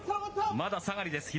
まだ下がりです、左。